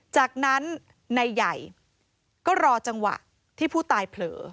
จากนั้นนายใหญ่ก็รอจังหวะที่ผู้ตายเผลอ